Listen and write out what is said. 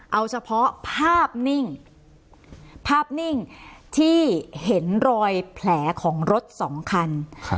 เอาเฉพาะภาพนิ่งภาพนิ่งที่เห็นรอยแผลของรถสองคัน